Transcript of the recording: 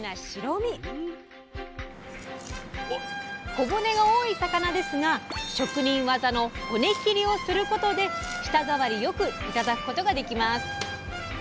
小骨が多い魚ですが職人技の「骨切り」をすることで舌触り良く頂くことができます。